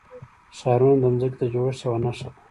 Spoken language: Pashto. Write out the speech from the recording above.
ښارونه د ځمکې د جوړښت یوه نښه ده.